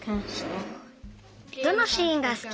どのシーンがすき？